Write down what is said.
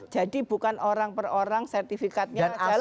jadi bukan orang per orang sertifikatnya jalan sendiri